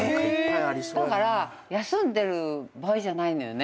だから休んでる場合じゃないのよね。